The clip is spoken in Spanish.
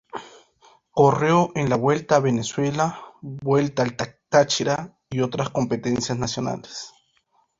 Corrió en la Vuelta a Venezuela, Vuelta al Táchira y otras competencias nacionales.